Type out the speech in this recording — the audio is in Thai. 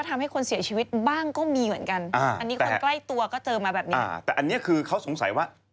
มันชนแรงรึไง